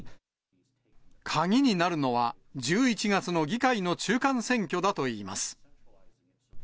鍵になるのは、１１月の議会の中間選挙だといいます。